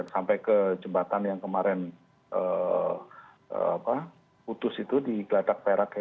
sampai ke jembatan yang kemarin putus itu di geladak perak